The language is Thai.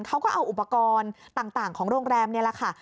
เขาก็เอาอุปกรณ์ต่างของโรงแรมนี่แหละค่ะ